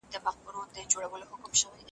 له ښې روزني پرته بدلون نه راوستل کېږي.